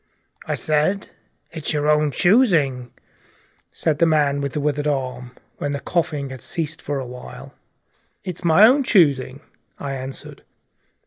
"I said it's your own choosing," said the man with the withered hand, when the coughing had ceased for a while. "It's my own choosing," I answered.